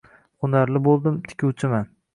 Xunarli bo‘ldim, tikuvchiman.